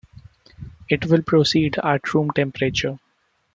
It will proceed at room temperature.